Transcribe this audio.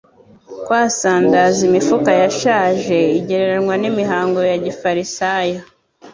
kwasandaza imifuka yashaje; igereranywa n'imihango ya gifarisayo.